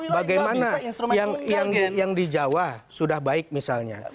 bagaimana yang di jawa sudah baik misalnya